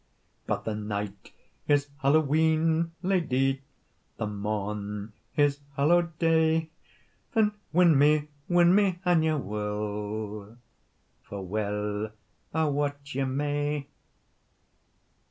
"But the night is Halloween, lady, The morn is Hallowday; Then win me, win me, an ye will, For weel I wat ye may.